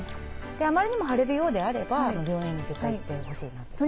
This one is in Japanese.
あまりにも腫れるようであれば病院に絶対行ってほしいなと。